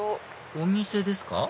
お店ですか？